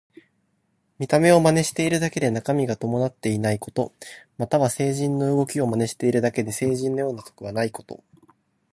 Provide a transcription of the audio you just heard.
見た目を真似しているだけで中身が伴っていないこと。または、聖人の動きを真似しているだけで聖人のような徳はないこと。